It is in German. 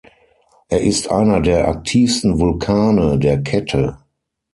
Er ist einer der aktivsten Vulkane der Kette.